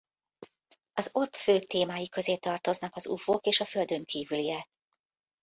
Az Orb fő témái közé tartoznak az ufók és a földönkívüliek.